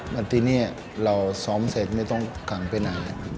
แต่ที่นี่เราสอบเสร็จไม่ต้องกังไปไหน